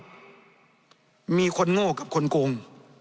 มีคนโง่กับคนโกง